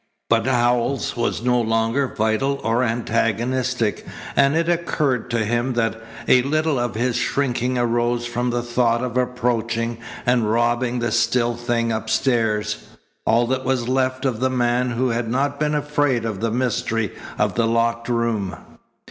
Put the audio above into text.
But Howells was no longer vital or antagonistic, and it occurred to him that a little of his shrinking arose from the thought of approaching and robbing the still thing upstairs, all that was left of the man who had not been afraid of the mystery of the locked room.